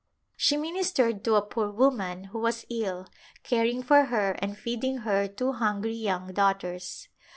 She ministered to a poor woman who was ill, caring for her and feeding her two hungry young daughters.